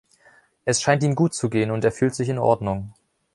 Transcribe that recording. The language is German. Es scheint ihm gut zu gehen und er fühlt sich in Ordnung.